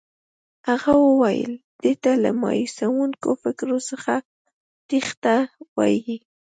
هغه وویل دې ته له مایوسوونکو فکرو څخه تېښته وایي.